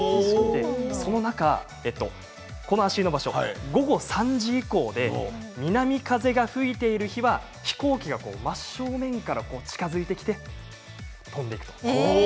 その中、この足湯の場所午後３時以降で南風が吹いている日は飛行機が真正面から近づいてきて飛んでいく。